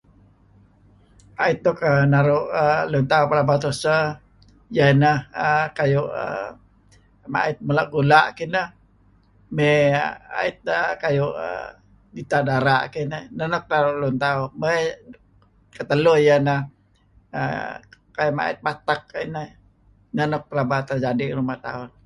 Aye suk naru' uhm lun tauh pelaba tuseh iyeh ineh uhm kayu' mait mula' gula' kineh may ait deh kayu' dita' dara' neh nk naru' lun tauh. Keteluh iyeh ineh uhm kayu mait batek kayu' neh nuk pelaba kadi' ngi ruma' tauh